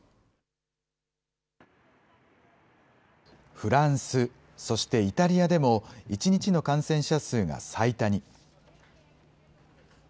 フランス、そしてイタリアでも１日の感染者数が最多に。